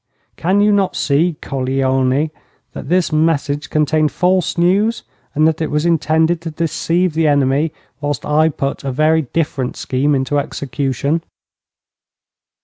Can you not see, coglione, that this message contained false news, and that it was intended to deceive the enemy whilst I put a very different scheme into execution?'